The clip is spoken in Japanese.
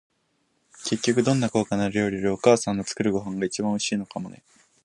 結局、どんなに高価な料理より、お母さんの作るご飯が一番おいしいのかもね。